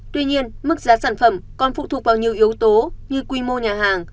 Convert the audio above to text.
tuy nhiên mức giá sản phẩm còn phụ thuộc vào nhiều yếu tố như quy mô nhà hàng